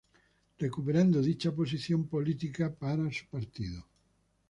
Recuperando dicha posición política para su Partido.